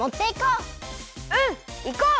うんいこう！